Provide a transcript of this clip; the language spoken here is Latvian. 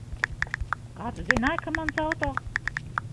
Kā tu zināji, ka mans auto?